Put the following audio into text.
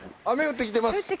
雨降ってきてます。